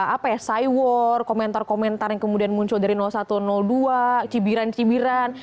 apa ya cy war komentar komentar yang kemudian muncul dari satu dua cibiran cibiran